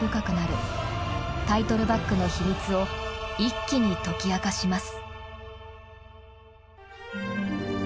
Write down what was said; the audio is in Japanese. タイトルバックの秘密を一気に解き明かします。